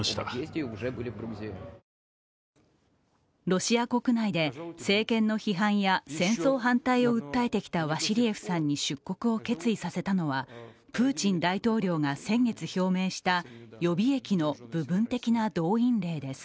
ロシア国内で政権の批判や戦争反対を訴えてきたワシリエフさんに出国を決意させたのは、プーチン大統領が先月表明した予備役の部分的な動員令です。